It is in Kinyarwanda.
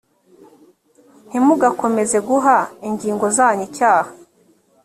ntimugakomeze guha ingingo zanyu icyaha